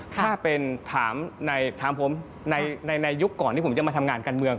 ถ้าเป็นถามผมในยุคก่อนที่ผมจะมาทำงานการเมือง